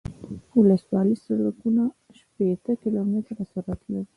ولسوالي سرکونه شپیته کیلومتره سرعت لري